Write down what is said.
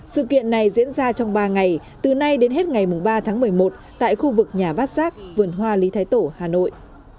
sự kiện này diễn ra trong ba ngày từ nay đến hết ngày ba tháng một mươi một tại khu vực nhà bát giác vườn hoa lý thái tổ hà nội